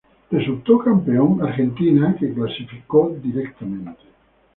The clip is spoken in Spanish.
El campeón resultó Argentina, que clasificó directamente.